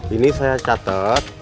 ini saya catet